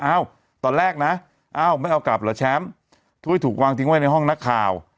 ตอนแรกนะอ้าวไม่เอากลับเหรอแชมป์ถ้วยถูกวางทิ้งไว้ในห้องนักข่าว